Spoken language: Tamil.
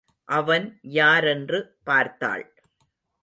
அவன் யாரென்று பார்த்தாள்.